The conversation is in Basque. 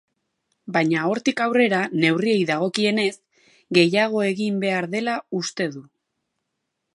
Baina hortik aurrerako neurriei dagokionez, gehiago egin behar dela uste du.